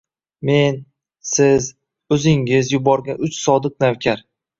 Men, Siz, O’zingiz yuborgan uch sodiq navkar